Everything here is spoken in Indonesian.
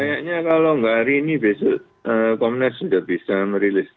kayaknya kalau nggak hari ini besok komnas sudah bisa merilis